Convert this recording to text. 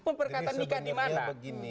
pemberkatan nikah di mana